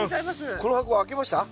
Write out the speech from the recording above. この箱開けました？